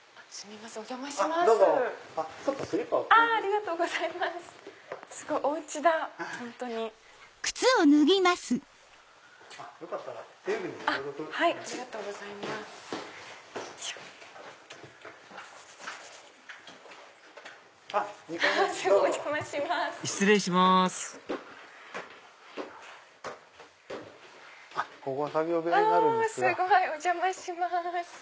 すごい！お邪魔します。